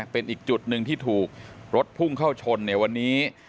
เป็นอีกจุดหนึ่งที่ถูกรถพุ่งเข้าชนในวันนี้